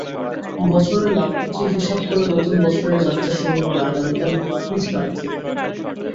বছরের লাভ-ক্ষতির হিসাব করে নতুন বছরের যাত্রা শুরু হবে আগামীকাল বুধবার থেকে।